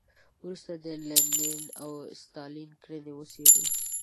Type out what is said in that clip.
وروسته د لینین او ستالین کړنې وڅېړو.